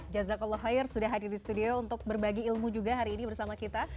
jasdaqullah hoir sudah hadir di studio untuk berbagi ilmu juga hari ini bersama kita